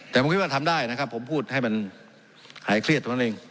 แต่ผมคิดว่าทำได้นะครับผมพูดให้มันหายเครียดเท่านั้นเอง